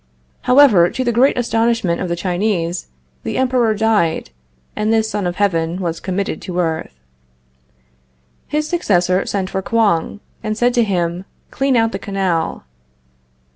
However, to the great astonishment of the Chinese, the Emperor died, and this Son of Heaven was committed to earth. His successor sent for Kouang, and said to him: "Clean out the canal."